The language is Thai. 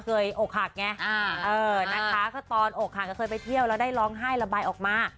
เคยอกหักไงตอนอกหักเคยไปเที่ยวแล้วได้ร้องไห้ระบายออกมา